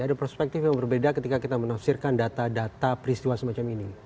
ada perspektif yang berbeda ketika kita menafsirkan data data peristiwa semacam ini